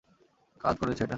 কাজ করেছে এটা।